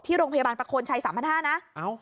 ที่โรงพยาบาลประโคนชัย๓๕๐๐บาทนะเอ้า